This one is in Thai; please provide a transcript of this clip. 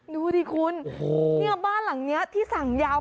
ดูดิคุณดิบ้านหลังนี้สั่งยำอ่ะ